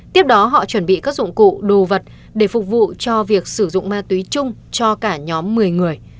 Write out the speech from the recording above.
tiếp đó họ chuẩn bị các dụng cụ đồ vật để phục vụ cho việc sử dụng ma túy chung cho cả nhóm một mươi người